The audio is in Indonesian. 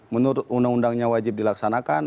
menurut undang undangnya wajib dilaksanakan